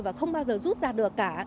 và không bao giờ rút ra được cả